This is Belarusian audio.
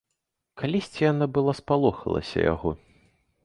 Калісьці яна была спалохалася яго.